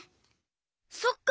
そっか！